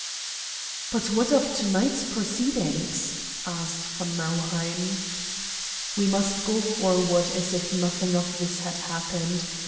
"But what of to night's proceedings?" asked von Nauheim. "We must go forward as if nothing of this had happened.